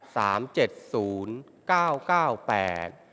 เจ็ดศูนย์เก้าเก้าแปด